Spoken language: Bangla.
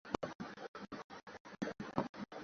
আইসিসি আমেরিকাস অঞ্চল থেকে কোন দল খেলার যোগ্যতা লাভ করেনি।